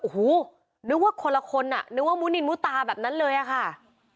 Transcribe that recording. โอ้โหนึกว่าคนละคนอ่ะนึกว่ามุนินมุตาแบบนั้นเลยอะค่ะ